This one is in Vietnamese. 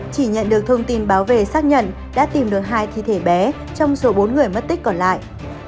chỉ nhận được thông tin báo về xác nhận đã tìm được hai thi thể bé trong số bốn người mất tích còn lại